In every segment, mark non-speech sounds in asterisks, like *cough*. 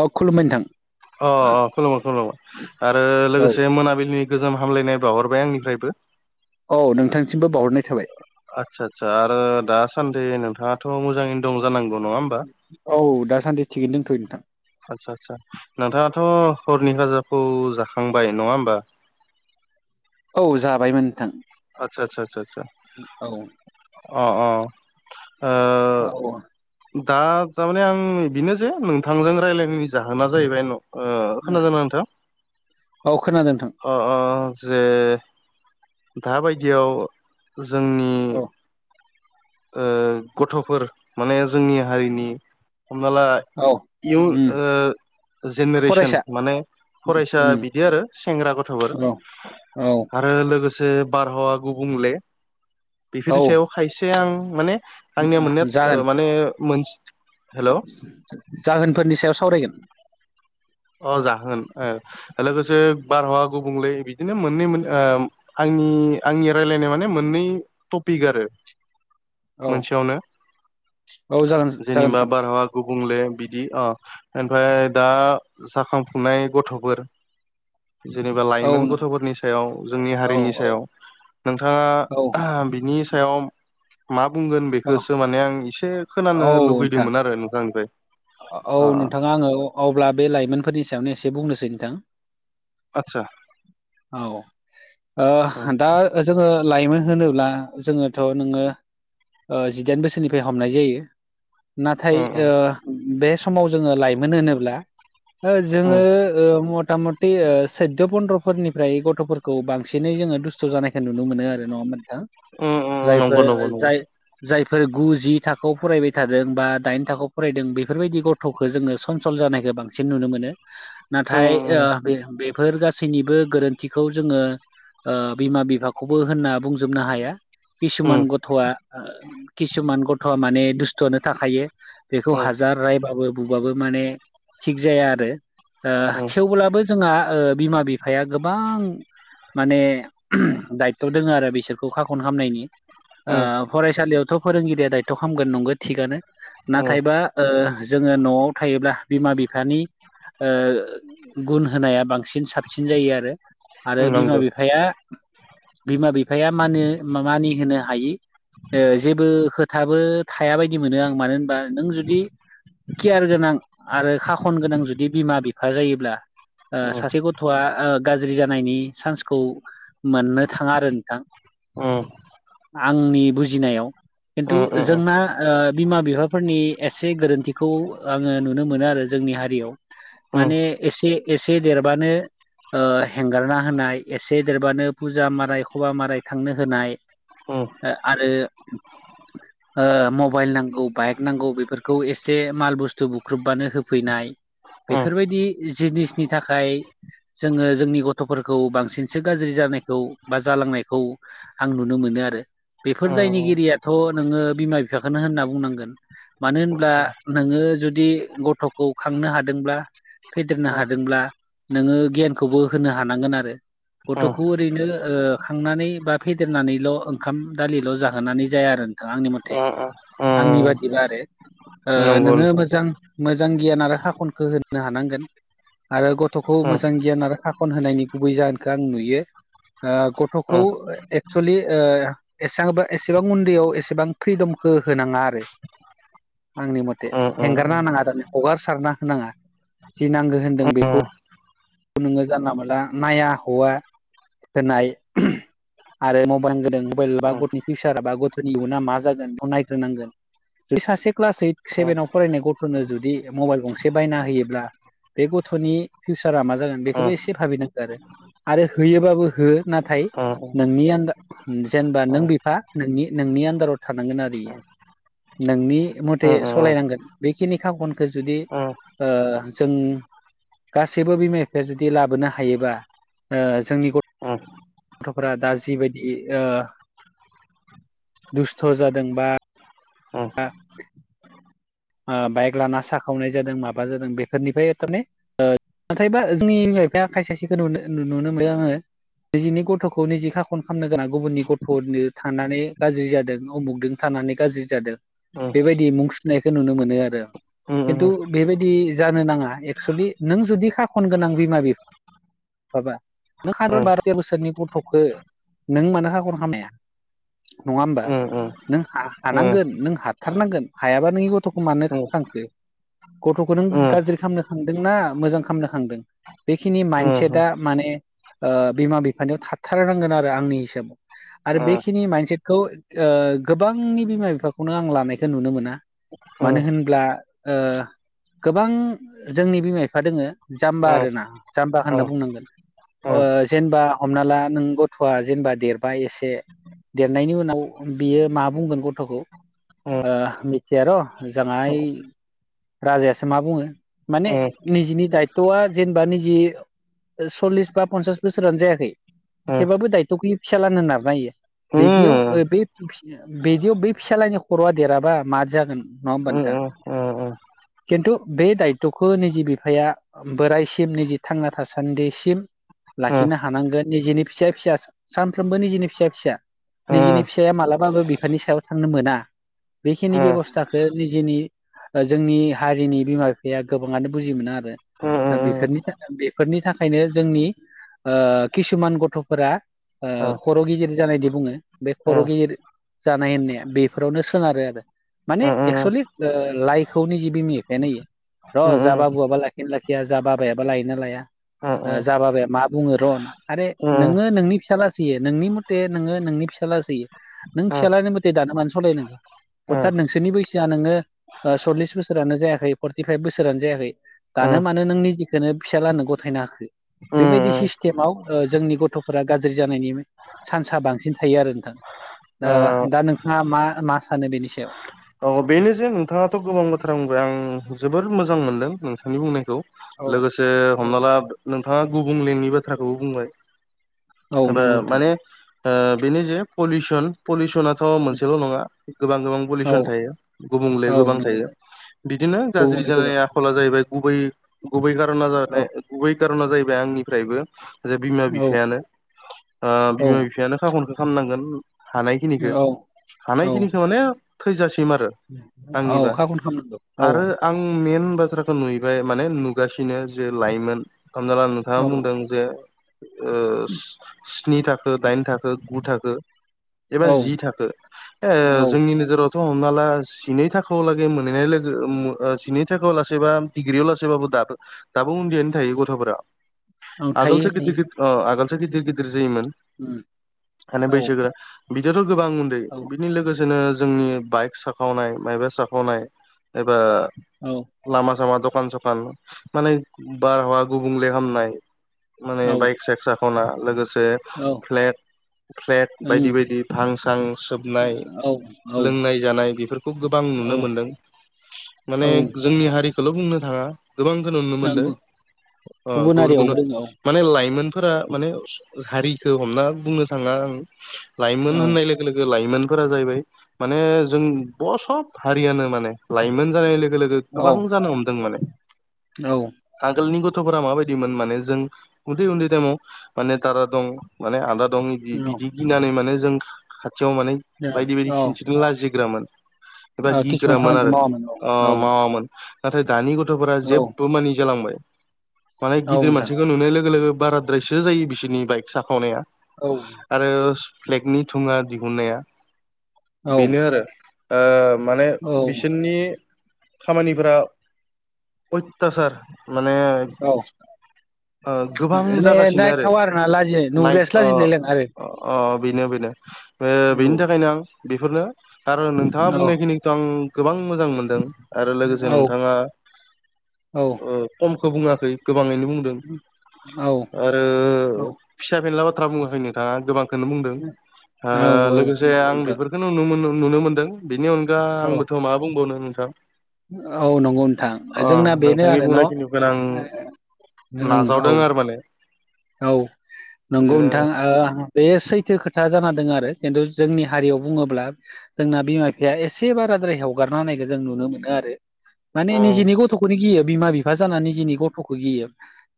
औ खुलुमबाय नोंथां। अ अ खुलुमबाय खुलुमबाय आरो औ लोगोसे मोनाबिलिनि गोजोम हामलायनाय बाहरबाय आंनिफ्रायबो। औ नोंथांसिमबो बावहरनाय थाबाय आदसा आदसा आरो दासान्दि नोंथाङाथ' मोजाङैनो दं जानांगौ नङा होमबा! औ दासान्दि थिगैनो दंथ'यो नोंथां आदसा आदसा नोंथाङाथ' हरनि खाजाखौ जाखांबाय नङा होमबा! औ जाबायमोन नोंथां आतसा आटसा आटसा सा औ अ अ औ ओ दा थारमाने आं बेनो जे नोंथांजों रायलायैनि जाहोना जाहैबाय उनाव ओ खोनादोंना नोंथां? औ खोनादों नोंथां। अ अ जे दाबायदियाव जोंनि औ ओ गथ'फोर माने जोंनि हारिनि हमना ला औ इयुन उम ओ जेनेरेसन फरायसा माने फरायसा उम बिदि आरो सेंग्रा गथ'फोर औ औ ओ लोगोसे बारहावा गुबुंले बेफोरनि औ सायाव खायसे आं माने आंनिया जागोन मोननाय माने मोनसे, हेलौ जाहोनफोरनि सायाव सावरायगोन अ जाहोन ओ लोगोसे बारहावा गुबुंले बिदिनो मोननै मोन ओ आंनि आंनि रायलायनाय माने मोननै टपिक आरो औ मोनसेयावनो औ जागोन जागोन जेनेबा नोंथां बारहावा गुबुंले बिदि ओ आमफ्राय दा जाखांफुंनाय गथ'फोर जेनेबा औ लाइमोन गथ'फोरनि सायाव जोंनि हारिनि सायाव औ नोंथाङा *unintelligible* बिनि सायाव मा बुंगोन औ बेखौसो माने आं इसे खोनानो लुगैदोंमोन आरो नोंथांनिफ्राय औ अ नोंथां आङो अब्ला बे लाइमोनफोरनि सायावनो एसे बुंनोसै नोंथां। आदसा औ ओ उम दा जोङो लाइमोन होनोब्ला जोङोथ' नोङो ओ जिदाइन बोसोरनिफ्राय हमनाय जायो। नाथाय उम ओ बे समाव जोङो लाइमोन होनोब्ला *unintelligible* जोङो उम ओ मथा मद बैयो सैद' पन्द्र'फोरनिफ्राय गथ'फोरखौ बांसिनै जोङो दुस्थ' जानायखौ नुनो मोनो आरो नङा होमबा नोंथां! उम उम नंगौ जायफोर नंगौ नंगौ जाय जायफोर गुजि थाखोआव फरायबाय थादों बा दाइन थाखोआव फरायदों बेफोरबायदि गथ'खौ जोङो सनसल जानायखौ बांसिन नुनो मोनो नाथाय उम उम बेफोर गासैनिबो गोरोन्थिखौ जोङो बिमा बिफाखौबो होनना बुंजोबनो हाया उम किसुमान गथ'आ किसुमान गथ'आ माने दुस्थ'नो थाखायो बेखौ उम हाजार रायबाबो बुबाबो माने थिग जाया आरो उम थेवब्लाबो जोंहा बिमा बिफाया गोबां माने दायथ' दोङ आरो बिसोरखौ खाखन खालामामनायनि उम फरायसालियावथ' फोरोंगिरिया दायथ' खालामगोन नंगौ थिगआनो नाथायबा जोङो न'आव थायोब्ला बिमा बिफानि गुन होनाया बांसिन साबसिन जायो आरो आरो उम बिमा नंगौ बिफाया बिमा बिफाया माने मानि होनो हायि जेबो खोथाबो थाया बायदि मोनो आं मानो होनबा नों जुदि केयार गोनां आरो खाखन गोनां जुदि बिमा बिफा जायोब्ला उम सासे गथ'आ गाज्रि जानायनि चान्सखौ मोननो थाङा आरो नोंथां उम आंनि बुजिनायाव खिन्थु उम उम जोंना बिमा बिफा फोरनि एसे गोरोन्थिखौ आङो नुनो मोनो आरो जोंनि हारियाव माने एसे एसे देरबानो ओ हेंगारना होनाय एसे देरबानो फुजा माराय खबा माराय थांनो होनाय औ आरो मबाइल नांगौ बाइक नांगौ बेफोरखौ एसे माल बुस्थु बुख्रुबबानो होफैनाय बेफोरबायदि जिनिस नि थाखाय जोङो जोंनि गथ'फोरखौ बांसिनसो गाज्रि जानायखौ बा जालांनायखौ आं नुनो मोनो आरो बेफोर दायनिगिरियाथ' नोङो बिमा बिफाखौनो होनना बुंनांगोन। मानो होनब्ला उम नोङो जुदि गथ'खौ खांनो हादोंब्ला फेदेरनो हादोंब्ला नोङो गियानखौबो होनो हानांगोन आरो उम गथ'खौ उम ओरैनो खांनानै बा फेदेरनानैल' ओंखाम दालिल' जाहोनानै जाया आरो आंनि मथे आंनि उम बादि बिदिबा आरो नंगौ नोङो नोंथां मोजां मोजां गियान आरो हाखनखौ होनो हानांगोन आरो गथ'खौ उम मोजां गियान आरो खाखन होनायनि गुबै जाहोनखौ आं नुयो गथ'खौ उम एक्सुलि एसांबा एसेबां उन्दैयाव एसेबां फ्रिदमखौ होनाङा आरो आंनि मथे उम हेंगारना नाङा हगारसारना होनाङा जि नांगौ होनदों बेखौ नोङो जानला मोनला नाया हौवा होनाय आरो मबाइल गदों मबाइल बा गथ'नि फिउचार बा गथ'नि इयउना मा जागोन बेखौ नायग्रोनांगोन जुदि सासे क्लास ओइट सेभेनाव फरायनाय गथ'नो जुदि मबाइल गंसे बायना होयोब्ला बे गथ'नि फिउसारा मा जागोन बेखौबो उम एसे भाबिनांगो आरो आरो होयोबाबो हो नाथाय नोंनि आन्दार जेनेबा नों बिफा नोंनि आन्दाराव थानांगोन आरोयो नोंनि मथे सालायनांगोन बेखिनि खाखनखौ जुदि ओ जों *unintelligible* बिमा बिफाया जुदि लाबोनो हायोबा ओ जोंनि गथ गथ'फोरा दा जिबायदि ओ दुस्थ' जादों बा उम *inaudible* बाइक लाना साखावनाय जादों माबा जादों बेफोरनिफ्राय थारमाने नाथायबा जोंनि बिम बिफाया खायसे खायसेखौ नुनो नुनो मोनो आङो निजिनि गथ'खौ निजिखा खन खालामनो गोनां गुबुननि गथ'नो थांनानै गाज्रि जादों उमुगदों थानानै गाज्रि जादों उम बेबायदि मुं थिनायखौ नुनो मोनो आरो। खिन्थु बेबायदि जानो नाङा एक्सुलि नों जुदि खाखन गोनां बिमा बिफा माबा नों हादर बार'तया बोसोरनि गथ'खौ नों मानो खाखर खालामानो हाया? नङा होमबा नों हानांगोन नों हाथारनांगोन हायाबा नोंनि गथ' गथ'खौ मानो खांखो गथ'खौ नों गाज्रि खालामनो खांदों ना मोजां खालामनो खांदों? बेखिनि माइन्डसेटआ माने बिमा बिफयाव थाबथारनांगोन आरो आंनि हिसाबाव। आरो बेखिनि माइन्डसेटखौ गोबांनि बिमा बिफाखौनो आं लानायखौ नुनो मोना। मानो होनब्ला? ओ गोबां जोंनि बिमा बिफा दोङो जाम्बा आरोना, जाम्बा होनना बुंनांगोन। जेनेबा हमना ला नों गथ'आ जेनेबा देरबाय एसे। देरनायनि उनाव बियो मा बुंगोन गथ'खौ मिथिया र' मोजाङाय राजायासो मा बुङो माने निजिनि दायथ'आ जेनेबा निजि सल्लिस बा पनसास बोसोरानो जायाखै थेवबाबो दायथ'खौयो फिसा लानो नारना होयो। बिदियाव बे बिदियाव बै फिसालायनि खर'आ देराबा मादो जागोन? नङा होमबा नोंथां उम। खिन्थु बे दायथ'खौ निजि बिफाया बोरायसिम निजे थांना थासान्दिसिम लाखिनो हानांगोन निजेनि फिसा फिसा सानफ्रोमबो निजेनि फिसा फिसा। निजिनि फिसाया मालाबाबो बिफानि सायाव थांनो मोना। बेखिनि बेब'स्थाखौ बे निजेनि जोंनि हारिनि बिमा बिफाया गोबाङानो बुजि मोना आरो। दा बेफोरनि थाखाय बेफोरनि थाखायनो जोंनि किसुमान गथ'फोरा खर' गिदिर जानायदि बुङो बे खर' गिदिर जानाय होननाया बेफोरावनो सोनारो आरो माने एक्सुवेलि लाइखौनि जि बिमि एफायनयो होयो। र' जा बाबुआाबा लाखिनो लाखिया जा बाबायाबा लायोना लाया। जाबााब मा बुङो र' आरोे नोङो नोंनि फिसालासयो नोंनि म मे नोङो नोंनि फिसााजलासोयो नों फिसालानि मथे दाना मानो सालायनङो हथत नोंसोरनि बैस ज नोङो सल्लिस बोसोरानो जायाखै फर्टिफाइभ बोसोरानो जायाखै। दानो मानो नों निजेखौोननो फिसालानो गथायनो हाखो। बेबायदि सिस्टेमाव जोंनि गथ'फोरा गाज्रि जानायनि चान्साआ बांसिन थायो आरो नोंथां दा नोंथाङा मा मा सानो बेनि सायाव? औ बेनो जे नोंथाङाथ' गोबां बोथोर बुंबाय आं जोबोर मोजां मोनदों नोंथांनि बुंनायखौ। औ लोगोसे औ हमना ला नोंथाङा गुबुंलेंनि बाथ्राखौबो बुंबाय। औ बबा नंगौ नोंथां माने बेनो जे पलिउसन पलिउसनाथ' मोनसेल' नङा गोबां गोबां औ पलिउसन थायो। गुबुंले औ गोबां नंगौ थायो नोंथां बिदिनो गाज्रि गुबुंले गोबां जानायनि आखला जाहैबाय गुबै गुबै कारना औ जानाय गुबै कार'ना जाहैबाय आंनिफ्रायबो जे बिमा औ बिफायानो औ बिमा बिफायानो साखनखौो खालामाननांगोन। हानायखिनिखौ औ औ हानायखिनिखौ माने थैजासिम आरो। औ आंनिबा खागन खालामनांगौ औ। आरो आं मइेन बाथ्राखौ नुहबाय माने नुगासिनो जे लाइमोन खामजला नोंथाङा औ बुंदों जे स्नि थाखो दाइन थाखो गु थाखो एबा औ जि थाखो ए औ जोंनि नोजोरावथ' हमना ला सिनै थाखोआव लागै मोनहैनाय लोगो सनै थाखोआव लासैबा डिग्रियाव लासैबाबो दाबो दाबो उन्दैयनो थायो गथ'फोरा। औ थायो आगोलसो गिदिर थायो गद आगोलसो गिदिर गिदिर जायोमोन उम माने औ बैसोगोरा बिदिथ' गोबां उन्दै औ बिनि लोगोसेनो जोंनि बाइक स साखावनाय माइबा साखावनाय एबा औ लामा सामा दखान सखान माने बारहावा गुबुंले खामनाय माने औ बाइक साइक साखावना लोगोसे औ फ्लेट फ्लेट बायदि ओं बायदि भांसां सोबनाय औ औ लोंनाय जानाय बे फोरखौ गोबां नुनो औ मोनदों माने औ जोंनि हारिखौल' बुंनो थाङा गोबांखौ नुनो मोनदों नंगौ गुबुन गुबुन हारियावबो दोङो माने लाइमोनफोरा माने हारिखौ हमना बुंनो थाङा आं लाइमोन औ होननाय लो गो लोगो लाइमोनफोरा जाहैबाय माने जों सब हारियानो माने लाइमोन जानाय लोगो लोगो औ गोबां जानो हमदों माने औ आगोलनि गथ'फोरा माबायदिमोन माने जों उन्दै उन्दै टाइमाव माने दादा दं माने आदा दं औ बिदि गिनानै माने जों खाथियाव माने बायदि औ बायदि औ खिनथिनो लाजिग्रामोन। एबा ओ किसुमान गिग्रामोन खामानिखौ आरो मावामोन औ औ मावामोन। नाथाय दानि गथ'फोरा औ जेबो मानि जालांबाय माने औ गिदिर नोंथां मानसिखौ नुनाय लोगो लोगो बारा द्रायसो जायो बिसोरनि बाइक साखावनाया। औ आरो फ्लेगनि धुंङा दिहुननाया औ बेनो आरो। ओ माने औ बिसोरनि खामानिफोरा अयथाचार माने औ ओ गोबां माने जागासिनो आरो नायथावा आरोना लाजिया नाय नुग्रायासो ओ लाजिलाय लांङो आरो। अ बेनो बेनो ओ बेनि थाखायनो आं बेफोरनो आरो नोंथाङा औ बुंनायखिनिखौथ' आं गोबां मोजां मोनदों आरो औ लोगोसे नोंथाङा औ ओ खमखौ बुङाखै गोबाङैनो बुंदों। औ आरो औ फिसा फेनला बाथ्रा बुङाखै नोंथाङा गोबां खौनो बुंदों औ लोगोसे नंगौ आं नोंथां बेफोर खौ नुनो मोनदों बेनि अनगा औ आंबोथ' मा बुंबावनो नोंथां औ नंगौ नोंथां अ जोंना बेनो नोंथांनि आरो न' बुंनायखिनिखौनो आं ओं नाजावदों औ आरो माने औ नंगौ बेनो नोंथां बे सैथो खोथा जाना द आरो खिन्थु जोंनि हारियाव बुङोब्ला जोंना बिमा बिफाया एसे बाराद्राय हवगारना होनायखौ जों नुनो मोनो आरो। माने निजेनि गथ'खौनो गियो बिमा बिफा जानानानै निजिनि गथ'खौ गियो।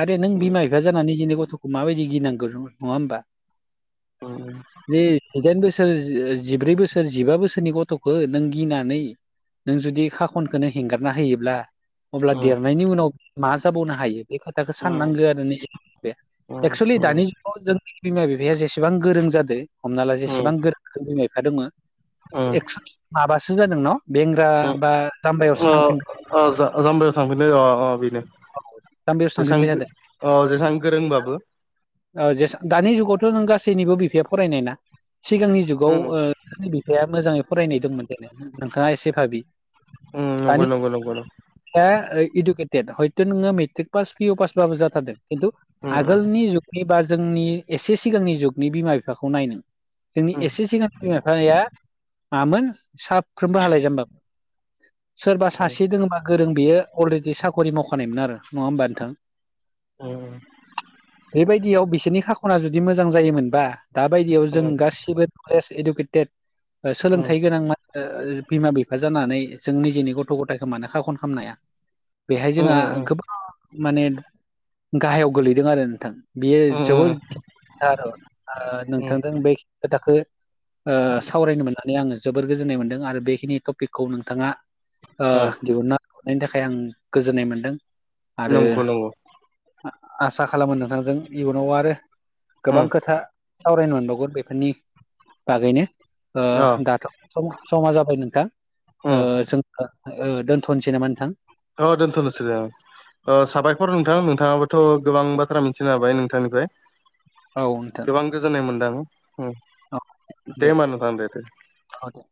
आरोे नों बिमा बिफा जानानै दिनै गथ'खौ माबायदि गिनांगौ नङा होमबा। जि दाइन बोसोर जिब्रै बोसोर जिबा बोसोरनि गथ'खौ नों गिनानै नों जुदि खाखनखौनो हेंगारना होयोब्ला अब्ला देरनायनि उनाव मा जाबावनो हायो बे खोथाखौ साननांगो आरो निजि एक्सुेलि दानि जुगाव जोंनि बिमा बिफाया जेसेबां गोरों जादों हमना ला जेसेबां गो रों बिमा बिफा दङ अम एक्स' माबासो जादों न' बेंग्रा बा जामबायावसो थांफिनगोन अ अ जाम्बायाव थांफिनो अ अ बेनो जामबायावसो जेसां थांफिनबाय हादों। अ जेसां गोरोंबाबो जे दानि जुगावथ' जों गासैनिबो बिफाया फरायनायना सिगांनि जुगाव सोरनि बिफाया मोजाङै फरायनाय दंमोन जेन नोंथाङा एसे भाबि अम दानि नंगौ नंगौ नंगौ दा इडुकेटेद हयथ' नोङो मेट्रिक पास पिअ पासबाबो जाथारदों किन्तु आगोलनि जुगनि बा जोंनि एसे सिगांनि जुगनि बिमा बिफाखौ नाय नों। जोंनि एसे सिगां बिमा बिफाया मा मोन? साफ्रोमबो हालाय जाम्बामोन सोरबा सासे दङो बा गोरों बेयो अलरेडि साख'रि मावखानायमोन आरो नङा होमबा नोंथां। ओम-ओम। बेबायदियाव बिसोरनि खाख'ना जुदि मोजां जायोमोनबा दााबायदियाव जों गासिबो फ्रेस्ट इडुकेटेड उम सोलोंथाइ गोनां मान ओ बिमा बिफा जा नानै जों निजेनि गथ' गथायखौ मानो खाख'न खामनो हाया उम जोंहा गोबां माने गाहायाव गोलैदों आरो नोंथां। बियो उम जोबोर गि *unintelligible* ओ उम नोंथांजों बे खि खोथाखो ओ सावरायनो मोननानै आङो जोबोर गोजोननाय मोनदों आरो बेखिनि टपिकखौ नोंथाङा ओ उम, दिहुनना हरनायनि थाखाय आं गोजोननाय मोनदों आरो नंगौ नंगौ आं आसा खालामो नोंथांजों इयुनाव आरो गोबां उम खोथा सावरायनो मोनबावगोन बेफोरनि बागैनो। ओ औ दाथ' सम समा जाबाय नोंथां ओ उम जों ओ-ओ दोन्थ'नोसै नामा नोंथां? अ दोनथ'नोसै दे अ। ओ साबायखर नोंथां नोंथाङाबोथ' गोबां बाथ्रा मिथिनो हाबाय नोंथांनिफ्राय। औ नोंथां। गोबां गोजोननाय मोनदों होम दे होनबा नोंथांदो दे-दे। अ दे।